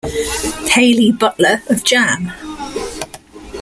Hayley Butler of Jam!